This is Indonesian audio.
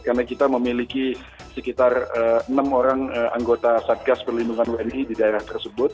karena kita memiliki sekitar enam orang anggota satgas perlindungan wni di daerah tersebut